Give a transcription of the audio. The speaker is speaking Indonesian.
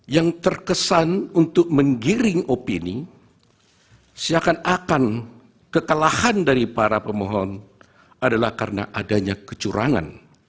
yang terkesan untuk menggiring opini seakan akan kekalahan dari para pemohon adalah karena adanya kecurangan